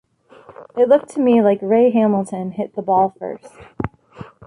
It looked to me like Ray Hamilton hit the ball first.